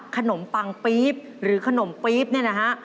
ปังปี๊บหรือขนมปี๊บเนี่ยนะฮะ